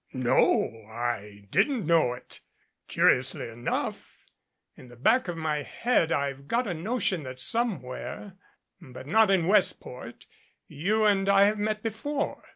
"No I didn't know it. Curiously enough in the back of my head I've got a notion that somewhere but not in Westport you and I have met before."